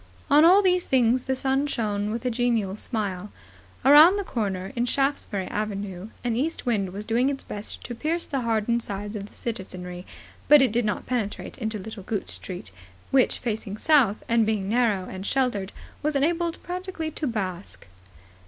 On all these things the sun shone with a genial smile. Round the corner, in Shaftesbury Avenue, an east wind was doing its best to pierce the hardened hides of the citizenry; but it did not penetrate into Little Gooch Street, which, facing south and being narrow and sheltered, was enabled practically to bask.